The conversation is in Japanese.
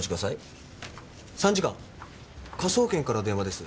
参事官科捜研から電話です。